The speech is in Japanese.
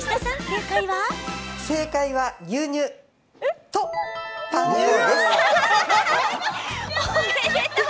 正解は、牛乳とパン粉です。